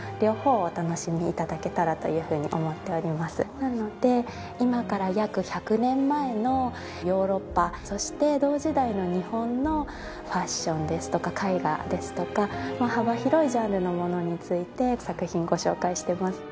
なので今から約１００年前のヨーロッパそして同時代の日本のファッションですとか絵画ですとか幅広いジャンルのものについて作品ご紹介しています。